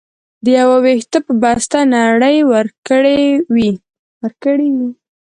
د يو وېښته په بسته نړۍ وکړى وى.